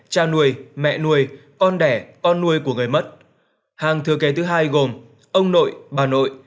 cha nuôi mẹ nuôi con đẻ con nuôi của người mất hàng thừa kế thứ hai gồm ông nội bà nội